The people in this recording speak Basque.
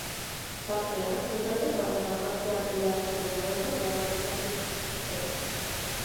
Tartean, epaiketa horretan parte hartu behar zuten abokatuak atxilotu zituzten.